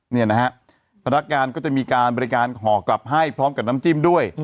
เนี่ยนะฮะพนักงานก็จะมีการบริการห่อกลับให้พร้อมกับน้ำจิ้มด้วย